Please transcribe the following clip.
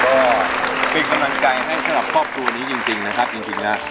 ก็เป็นกำลังใจให้สำหรับครอบครัวนี้จริงนะครับจริงแล้ว